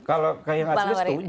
kalau kayak nggak sih setuju